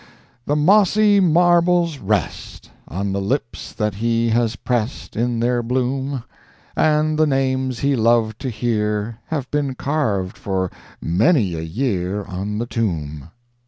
"The mossy marbles rest On the lips that he has pressed In their bloom; And the names he loved to hear, Have been carved for many a year On the tomb."